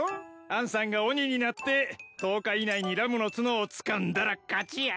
あんさんが鬼になって１０日以内にラムの角をつかんだら勝ちや。